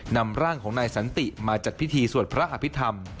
นำร่างของนายสันติมาจัดพิธีสวดพระอภิษฐรรม